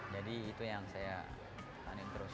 jadi itu yang saya tahanin terus